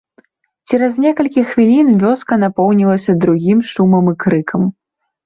Цераз некалькі хвілін вёска напоўнілася другім шумам і крыкам.